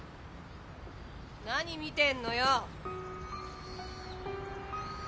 何見てんのよ！